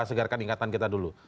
segarkan ingatan kita dulu